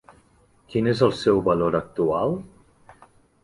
Quin és el seu valor actual?